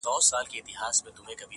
مړ مه سې، د بل ژوند د باب وخت ته.